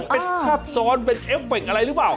เป็นซับซ้อนเป็นเอฟเฟคอะไรหรือเปล่า